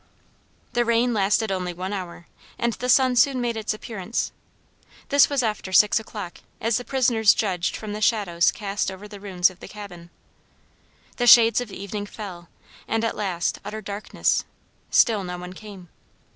The rain lasted only one hour, and the sun soon made its appearance. This was after six o'clock, as the prisoners judged from the shadows cast over the ruins of the cabin. The shades of evening fell and at last utter darkness; still no one came.